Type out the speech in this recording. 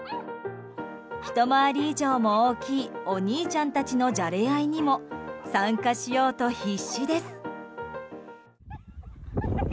ひと回り以上も大きいお兄ちゃんたちのじゃれ合いにも参加しようと必死です。